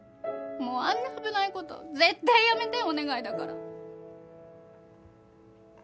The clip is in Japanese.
もうあんな危ない事絶対やめてお願いだから。